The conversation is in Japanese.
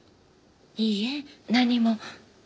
いいえ何も。